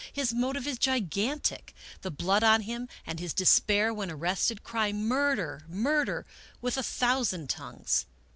His motive is gigantic. The blood on him, and his despair when arrested, cry * Murder! murder !' with a thousand tongues.